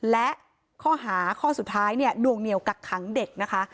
และข้อหาข้อสุดท้ายเนี่ยนวงเหนียวกักขังเด็กนะคะ